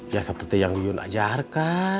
ya seperti yang lion ajarkan